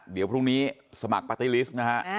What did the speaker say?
เดี๋ยวพรุ่งนี้สมัครปาร์ตี้ลิสต์นะฮะ